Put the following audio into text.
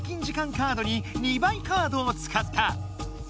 カードに「２倍」カードをつかった。